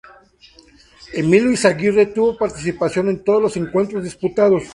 Emilio Izaguirre tuvo participación en todos los encuentros disputados.